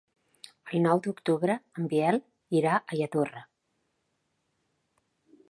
El nou d'octubre en Biel irà a Lladorre.